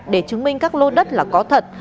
để chứng minh các lô đất là có thật